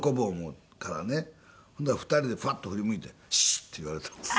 ほんなら２人でパッと振り向いて「シーッ！」って言われたんです。